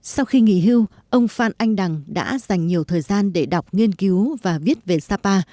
sau khi nghỉ hưu ông phan anh đằng đã dành nhiều thời gian để đọc nghiên cứu và viết về sapa